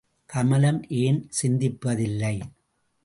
கமலம் ஏன் சிந்திப்பதில்லை.